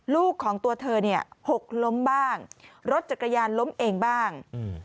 ลูกของตัวเธอเนี่ยหกล้มบ้างรถจักรยานล้มเองบ้าง